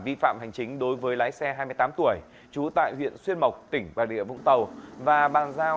vi phạm hành chính đối với lái xe hai mươi tám tuổi trú tại huyện xuyên mộc tỉnh bà rịa vũng tàu và bàn giao